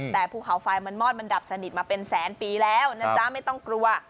แต่ภูเขาไฟมันมอดมันดับสนิทมาเป็นแสนปีแล้วนะจ๊ะไม่ต้องกลัว